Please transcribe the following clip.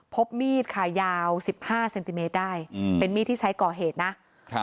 พบมีดค่ะยาวสิบห้าเซนติเมตรได้อืมเป็นมีดที่ใช้ก่อเหตุนะครับ